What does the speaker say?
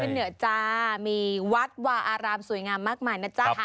เหนือจ้ามีวัดวาอารามสวยงามมากมายนะจ๊ะ